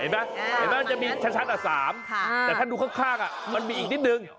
เห็นไหมจะมีชั้น๓แต่ถ้าดูข้างมันมีอีกนิดหนึ่ง